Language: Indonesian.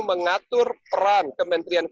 mengatur peran kementerian